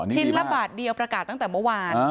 ชิ้นละบาทเดียวประกาศตั้งแต่เมื่อวาน